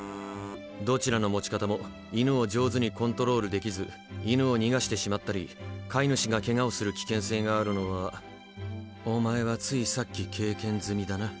どちらの持ち方も犬を上手にコントロールできず犬を逃がしてしまったり飼い主がケガをする危険性があるのはお前はついさっき経験済みだな。